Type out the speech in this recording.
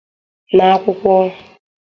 n'akwụkwọ.